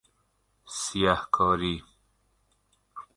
سیه کاری